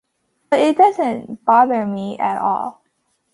But it doesn't bother me at all.